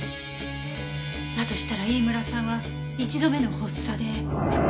だとしたら飯村さんは一度目の発作で。